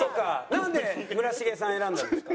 なんで村重さん選んだんですか？